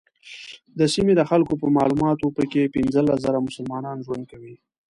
د سیمې د خلکو په معلوماتو په کې پنځلس زره مسلمانان ژوند کوي.